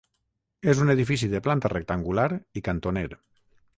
És un edifici de planta rectangular i cantoner.